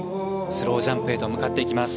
スロージャンプへと向かっていきます。